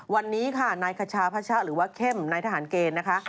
วันนี้ค่ะนายคชาพระชะหรือว่าเข้มนายทหารเกณฑ์นะคะ